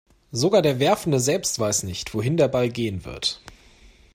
Sogar der Werfende selbst weiß nicht, wohin der Ball gehen wird.